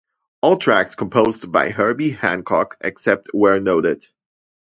All tracks composed by Herbie Hancock except where noted.